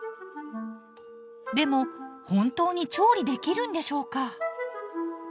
でも本当に調理できるんでしょうか？